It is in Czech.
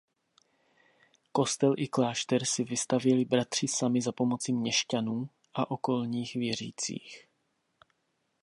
Kostel i klášter si vystavěli bratři sami za pomoci měšťanů a okolních věřících.